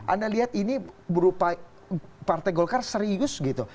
anda lihat ini berupa partai golkar serius gitu